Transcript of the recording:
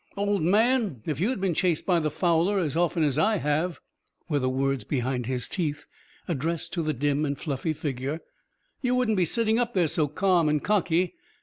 "Old man, if you had been chased by the fowler as often as I have," were the words behind his teeth, addressed to the dim and fluffy figure, "you wouldn't be sitting up there so calm and cocky.